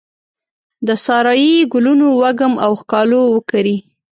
د سارایې ګلونو وږم او ښکالو وکرې